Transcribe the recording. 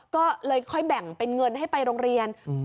ก็เลยค่อยแบ่งเป็นเงินให้ไปโรงเรียน